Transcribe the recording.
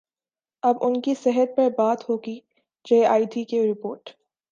اب ان کی صحت پر بات ہوگی جے آئی ٹی کی رپورٹ